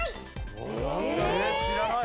知らない。